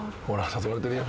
誘われてるよ。